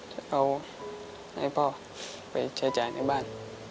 จะเอาให้พ่อไปใช้จ่ายในบ้าน